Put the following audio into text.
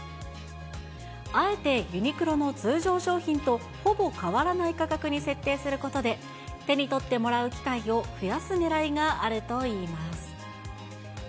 あえてユニクロの通常商品とほぼ変わらない価格に設定することで、手に取ってもらう機会を増やすねらいがあるといいます。